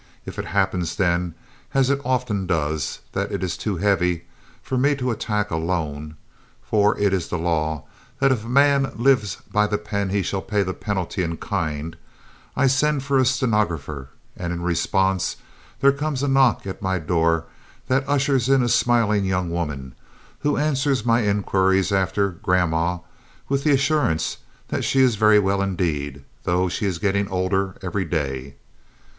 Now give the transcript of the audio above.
If it happens then, as it often does, that it is too heavy for me to attack alone for it is the law that if a man live by the pen he shall pay the penalty in kind I send for a stenographer, and in response there comes a knock at my door that ushers in a smiling young woman, who answers my inquiries after "Grandma" with the assurance that she is very well indeed, though she is getting older every day.